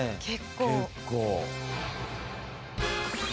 結構。